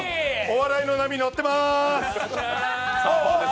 お笑いの波に乗ってまーす。